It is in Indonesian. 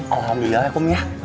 alhamdulillah akum ya